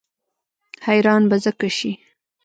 حیران به ځکه شي.